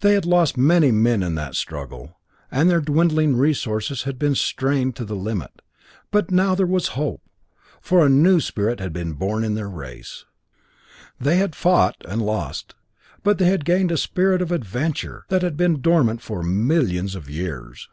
They had lost many men in that struggle, and their dwindling resources had been strained to the limit, but now there was hope, for a new spirit had been born in their race. They had fought, and lost, but they had gained a spirit of adventure that had been dormant for millions of years.